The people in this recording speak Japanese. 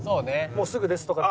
「もうすぐです」とか。